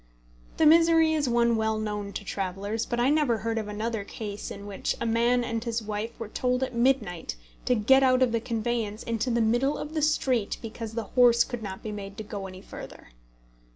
The misery is one well known to travellers, but I never heard of another case in which a man and his wife were told at midnight to get out of the conveyance into the middle of the street because the horse could not be made to go any further.